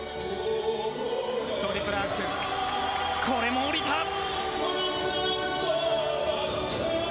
これもおりた。